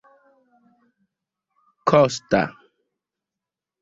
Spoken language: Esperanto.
Kosta!